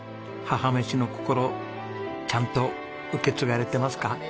母めしの心ちゃんと受け継がれてますか？